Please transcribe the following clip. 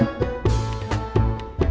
gak cukup pulsaanya